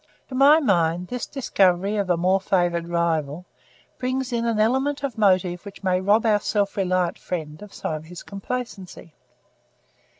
To my mind, this discovery of a more favoured rival, brings in an element of motive which may rob our self reliant friend of some of his complacency.